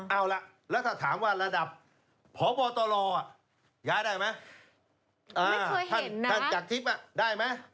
เอาล่ะแล้วถ้าถามว่าระดับพบตลย้ายได้ไหม